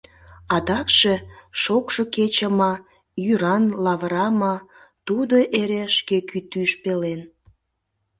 Адакше, шокшо кече ма, йӱран лавыра ма, тудо эре шке кӱтӱж пелен.